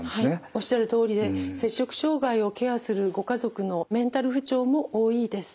おっしゃるとおりで摂食障害をケアするご家族のメンタル不調も多いです。